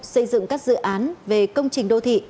xây dựng các dự án về công trình đô thị